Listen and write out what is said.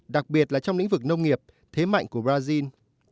đặc biệt là trong lĩnh vực nông nghiệp thế mạnh của brazil